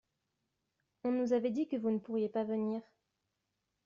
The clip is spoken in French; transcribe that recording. On nous avait dit que vous ne pourriez pas venir.